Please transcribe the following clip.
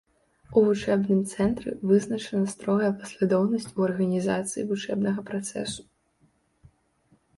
У вучэбным цэнтры вызначана строгая паслядоўнасць у арганізацыі вучэбнага працэсу.